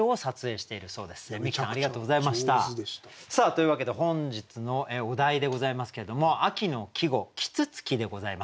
というわけで本日のお題でございますけれども秋の季語「啄木鳥」でございます。